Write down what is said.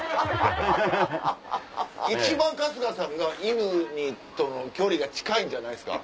一番春日さんが犬との距離が近いんじゃないですか？